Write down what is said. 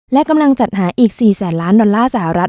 และกำลังจัดหาอีก๔แสนล้านดอลลาร์สหรัฐ